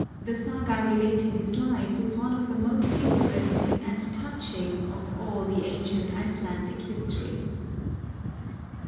The Saga relating his life is one of the most interesting and touching of all the ancient Icelandic histories.